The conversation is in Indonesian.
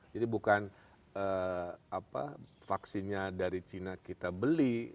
jadi bukan vaksinnya dari cina kita beli